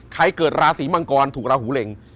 เกิดราศีมังกรถูกราหูเหล็ง